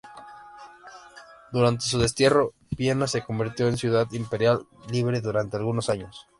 Durante su destierro, Viena se convirtió en ciudad imperial libre durante algunos años.